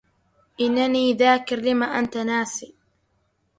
إنني ذاكر لما أنت ناس